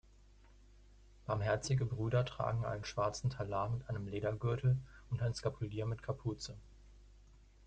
Barmherzige Brüder tragen einen schwarzen Talar mit einem Ledergürtel und ein Skapulier mit Kapuze.